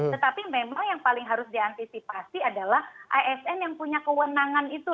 tetapi memang yang paling harus diantisipasi adalah asn yang punya kewenangan itu